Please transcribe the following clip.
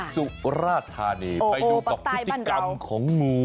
สุราธานีไปดูกับพฤติกรรมของงู